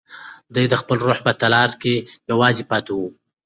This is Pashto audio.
دی د خپل روح په تالار کې یوازې پاتې و.